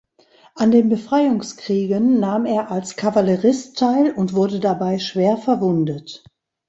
An den Befreiungskriegen nahm er als Kavallerist teil und wurde dabei schwer verwundet.